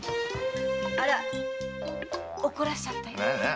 あら怒らせちゃったよ。